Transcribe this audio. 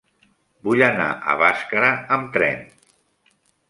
Vull anar a Bàscara amb tren.